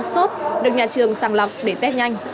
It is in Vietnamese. sốt được nhà trường sàng lọc để test nhanh